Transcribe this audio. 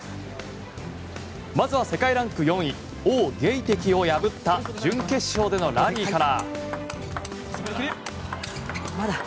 まずは世界ランク４位オウ・ゲイテキを破った準決勝でのラリーから。